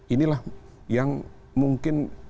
inilah yang mungkin yang perlu